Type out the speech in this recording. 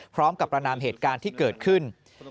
พร้อมกับประนามเหตุการณ์ที่เกิดขึ้น